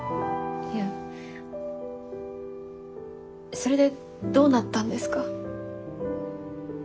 それでどうなったんですか？